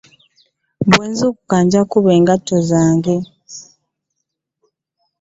Bwe nzuukuka nkuba engatto zange.